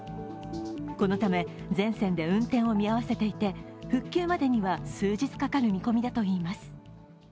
このため全線で運転を見合わせていて復旧までには数日かかる見込みだといいます。